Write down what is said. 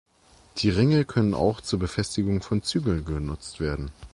Die Ringe können auch zur Befestigung von Zügeln genutzt werden.